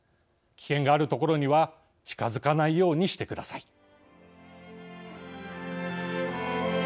危険がある所には近づかないようにしてください。